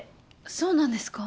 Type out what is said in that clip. そうなんですか？